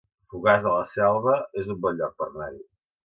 Fogars de la Selva es un bon lloc per anar-hi